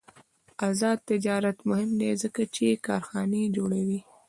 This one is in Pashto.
آزاد تجارت مهم دی ځکه چې کارخانې جوړوي.